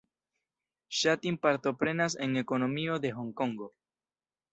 Ŝa Tin partoprenas en ekonomio de Honkongo.